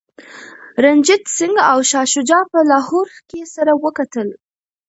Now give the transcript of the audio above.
رنجیت سنګ او شاه شجاع په لاهور کي سره وکتل.